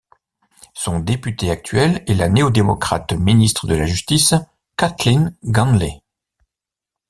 Son député actuel est la néo-démocrate ministre de la justice, Kathleen Ganley.